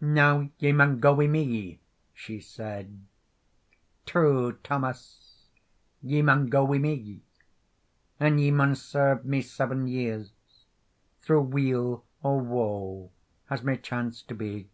"Now, ye maun go wi me," she said, "True Thomas, ye maun go wi me, And ye maun serve me seven years, Thro weal or woe as may chance to be."